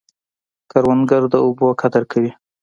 کروندګر د اوبو قدر کوي